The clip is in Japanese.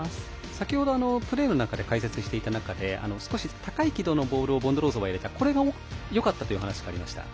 先ほどプレーの中で解説していた中で少し高い軌道のボールをボンドロウソバが入れたこれがよかったというお話がありました。